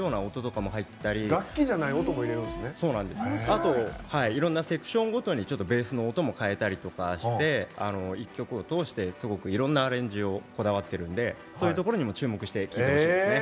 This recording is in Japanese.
あといろんなセクションごとにちょっとベースの音も変えたりとかして一曲を通してすごくいろんなアレンジをこだわっているんでそういうところにも注目して聴いてほしいですね。